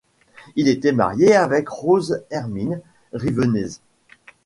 Il était marié avec Rose-Hermine Rivenez.